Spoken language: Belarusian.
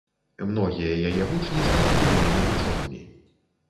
Многія яе вучні сталі буйнымі вучонымі.